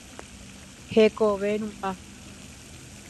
Hekove ru'ã.